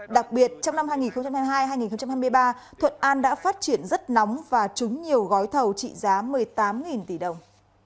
đặc biệt trong năm hai nghìn hai mươi hai hai nghìn hai mươi ba thuận an đã phát triển rất nóng và trúng nhiều gói thầu trị giá một mươi tám tỷ đồng